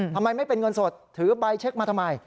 ทำไมไม่เป็นเงินสดถือใบเช็คมาทำไม